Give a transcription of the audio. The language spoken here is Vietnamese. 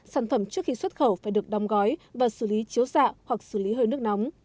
sản phẩm trước khi xuất khẩu phải được đong gói và xử lý chiếu xạ hoặc xử lý hơi nước nóng